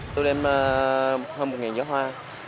tụi em hơn một gió hoa